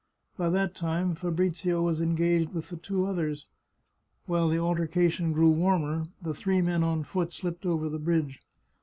By that time Fabrizio was engaged with the two others. While the altercation grew warmer the three men on foot slipped over the bridge.